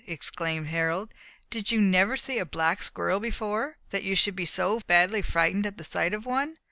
exclaimed Harold, "did you never see a black squirrel before, that you should be so badly frightened at the sight of one?"